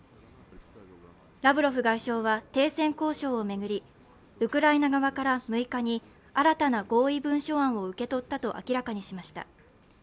ラブロフ外相は停戦交渉を巡り、ウクライナ側から６日に新たな合意文書案を受け取ったと明らかにしました。